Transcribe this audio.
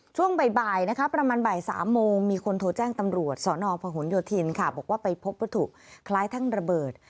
ช่วงบ่ายประมาณบ่าย๓โมงมีคนโทรแจ้งตำรวจสนพยศิลป์บอกว่าไปพบว่าถุคล้ายทั้งระเบิด